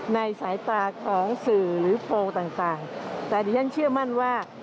ในสายตาของสื่อหรือโพลต่างแต่ดิฉันเชื่อมั่นว่า